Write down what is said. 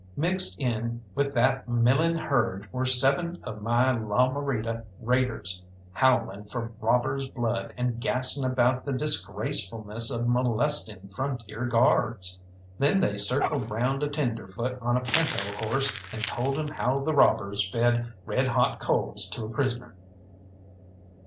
Mixed in with that milling herd were seven of my La Morita raiders, howling for robbers' blood, and gassing about the disgracefulness of molesting frontier guards. Then they circled round a tenderfoot on a pinto horse, and told him how the robbers fed red hot coals to a prisoner.